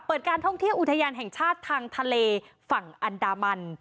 การท่องเที่ยวอุทยานแห่งชาติทางทะเลฝั่งอันดามัน